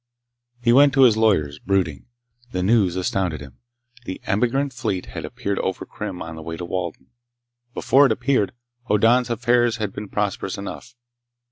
He went to his lawyers, brooding. The news astounded him. The emigrant fleet had appeared over Krim on the way to Walden. Before it appeared, Hoddan's affairs had been prosperous enough.